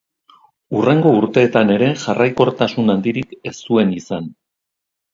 Hurrengo urteetan ere jarraikortasun handirik ez zuen izan.